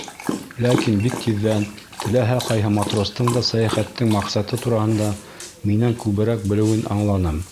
Ләкин бик тиҙҙән теләһә ҡайһы матростың да сәйәхәттең маҡсаты тураһында минән күберәк белеүен аңланым.